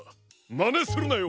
まねするなよ！